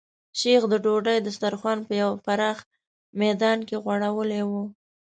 شیخ د ډوډۍ دسترخوان په یو پراخ میدان کې غوړولی و.